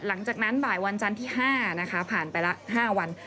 หลังจากนั้นบ่ายวันจันทร์ที่๕นะคะผ่านไปละ๕วัน